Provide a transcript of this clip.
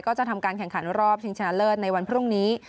ก็จะทำการแข่งขันรอบชิงชนะเลิศในวันพรุ่งนี้